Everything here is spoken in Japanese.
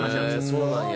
へえそうなんや。